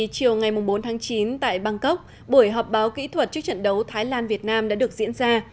chiều ngày bốn tháng chín tại bangkok buổi họp báo kỹ thuật trước trận đấu thái lan việt nam đã được diễn ra